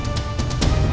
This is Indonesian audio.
nih buat kamu